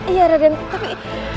iya raden tapi